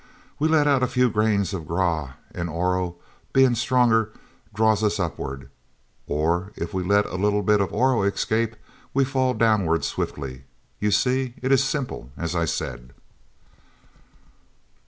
We let out a few grains of Grah, and Oro, being stronger, draws us upward; or we let a little of the Oro escape, and we fall downward swiftly. You see it is simple, as I said."